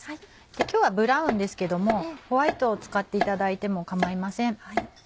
今日はブラウンですけどもホワイトを使っていただいても構いません。